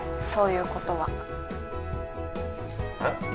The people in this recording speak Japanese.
そういうことは。えっ？